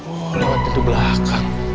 oh lewat pintu belakang